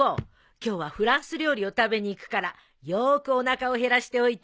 今日はフランス料理を食べに行くからよーくおなかを減らしておいてね。